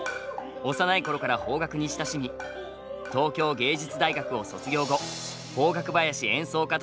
幼い頃から邦楽に親しみ東京藝術大学を卒業後邦楽囃子演奏家として活躍中です！